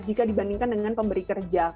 jika dibandingkan dengan pemberi kerja